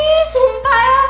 ih sumpah ya